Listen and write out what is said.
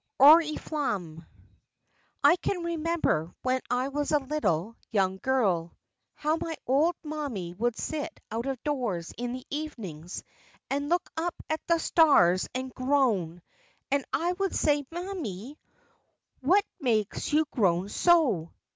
ORIFLAMME "I can remember when I was a little, young girl, how my old mammy would sit out of doors in the evenings and look up at the stars and groan, and I would say, 'Mammy, what makes you groan so?'